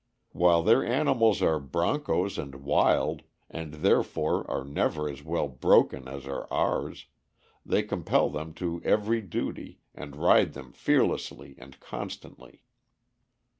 While their animals are broncos and wild, and therefore are never as well "broken" as are ours, they compel them to every duty, and ride them fearlessly and constantly.